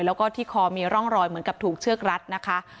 แล้วก็ที่คอมีร่องรอยเหมือนกับถูกเชือกรัดนะคะ